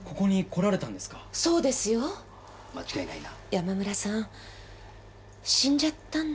山村さん死んじゃったんだ。